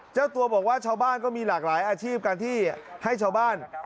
เจ้าตัวบอกว่าชาวบ้านก็มีหลากหลายอาชีพการที่ให้ชาวบ้าน